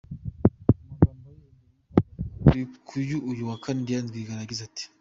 Mu magambo ye, imbere y’itangazamakuru kuri uyu wa kane, Diane Rwigara yagize ati: